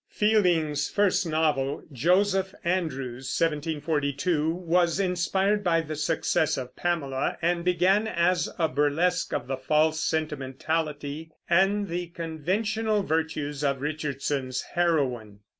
Fielding's first novel, Joseph Andrews (1742), was inspired by the success of Pamela, and began as a burlesque of the false sentimentality and the conventional virtues of Richardson's heroine.